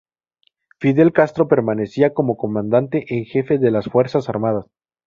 Fidel Castro permanecía como comandante en jefe de las Fuerzas Armadas.